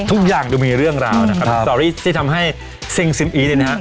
ทุกอย่างจะมีเรื่องราวนะครับครับตอนนี้ที่ทำให้เซ็งซิมอีดนะฮะ